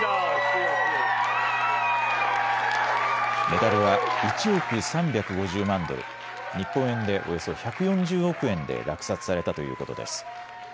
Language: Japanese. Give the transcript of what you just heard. メダルは１億３５０万ドル、日本円でおよそ１４０億円で落札されたということです。